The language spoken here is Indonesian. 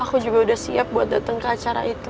aku juga udah siap buat datang ke acara itu